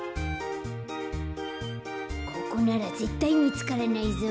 ここならぜったいみつからないぞ。